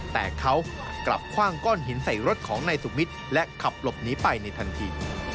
แต่เขากลับคว่างก้อนหินใส่รถของนายสุวิทย์และขับหลบหนีไปในทันที